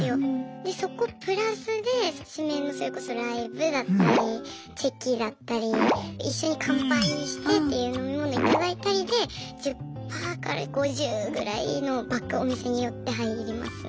でそこプラスで指名のそれこそライブだったりチェキだったり一緒に乾杯してっていう飲み物頂いたりで１０パーから５０ぐらいのバックお店によって入りますね。